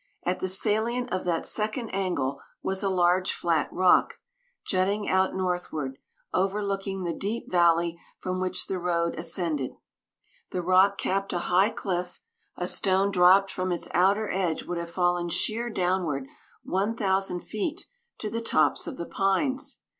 At the salient of that second angle was a large flat rock, jutting out northward, overlooking the deep valley from which the road ascended. The rock capped a high cliff; a stone dropped from its outer edge would have fallen sheer downward one thousand feet to the tops of the pines.